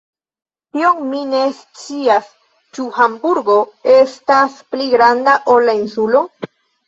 Tion mi ne scias; ĉu Hamburgo estas pli granda ol la Insulo?